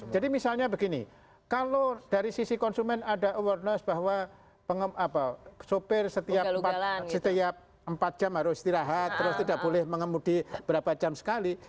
jadi misalnya begini kalau dari sisi konsumen ada awareness bahwa supir setiap empat jam harus istirahat terus tidak boleh mengemudi berapa jam sekali